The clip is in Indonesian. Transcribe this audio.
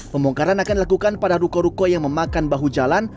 pembongkaran akan dilakukan pada ruko ruko yang memakan bahu jalan